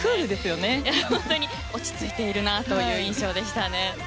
本当に落ち着いているなという印象でしたね。